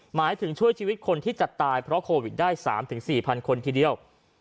หมายถึงช่วยชีวิตคนที่จะตายเพราะโควิดได้๓๔๐๐คนทีเดียว